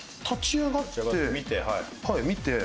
はい見て。